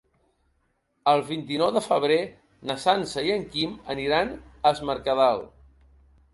El vint-i-nou de febrer na Sança i en Guim aniran a Es Mercadal.